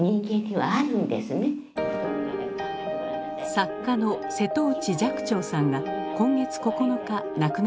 作家の瀬戸内寂聴さんが今月９日亡くなりました。